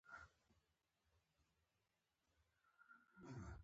انګور د افغانستان د بډایه طبیعت یوه ډېره ښکلې برخه ده.